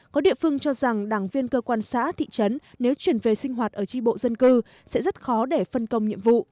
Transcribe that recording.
có địa phương cho rằng đảng viên cơ quan xã thị trấn nếu chuyển về sinh hoạt ở tri bộ dân cư sẽ rất khó để phân công nhiệm vụ